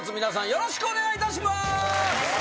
よろしくお願いします。